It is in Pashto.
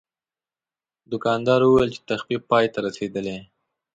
دوکاندار وویل چې تخفیف پای ته رسیدلی.